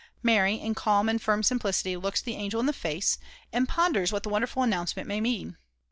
Mary, in calm and firm simplicity, looks the angel in the face, and ponders what the wonderful announcement may mean.